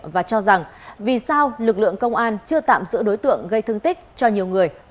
và cho rằng vì sao lực lượng công an chưa tạm giữ đối tượng gây thương tích cho nhiều người